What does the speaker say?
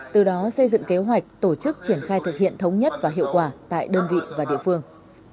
từ đó xây dựng kế hoạch tổ chức triển khai thực hiện thống nhất và hiệu quả tại đơn vị và địa phương